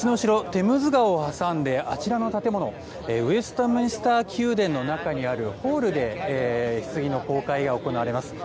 テムズ川を挟んであちらの建物ウェストミンスター宮殿の中にあるホールで、ひつぎの公開が行われます。